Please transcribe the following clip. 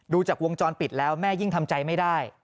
จากวงจรปิดแล้วแม่ยิ่งทำใจไม่ได้